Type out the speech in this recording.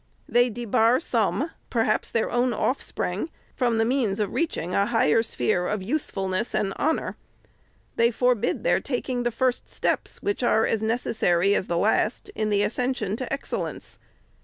They debar some, perhaps their own offspring, from the means of reaching a higher sphere of usefulness and honor. They forbid their taking the first steps, which are as necessary as the last, in the as cension to excellence.